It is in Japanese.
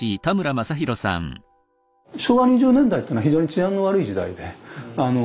昭和２０年代っていうのは非常に治安が悪い時代であの。